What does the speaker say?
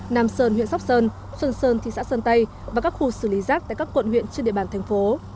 nam sơn huyện sóc sơn xuân sơn thị xã sơn tây và các khu xử lý rác tại các quận huyện trên địa bàn thành phố